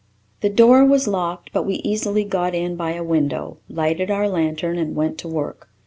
The door was locked, but we easily got in by a window, lighted our lantern, and went to work.